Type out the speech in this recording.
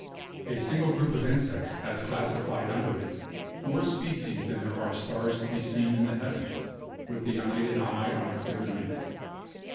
A single group of insects has classified under it more species than there are stars to be seen in the heavens with the unaided eye on a clear night.